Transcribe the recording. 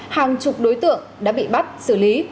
hàng chục đối tượng đã bị bắt xử lý